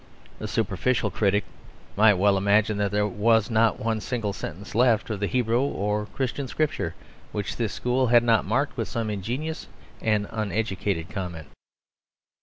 A superficial critic might well imagine that there was not one single sentence left of the Hebrew or Christian Scriptures which this school had not marked with some ingenious and uneducated comment.